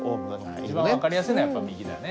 一番分かりやすいのはやっぱ右だね。